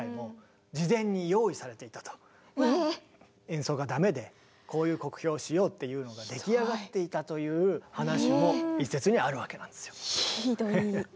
演奏がダメでこういう酷評をしようっていうのが出来上がっていたという話も一説にはあるわけなんですよ。